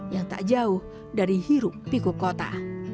yang tak jauh dari hirup pikuk kota